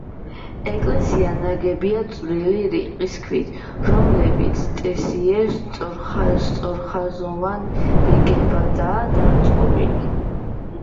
ეკლესია ნაგებია წვრილი, რიყის ქვით, რომლებიც წესიერ, სწორხაზოვან რიგებადაა დაწყობილი.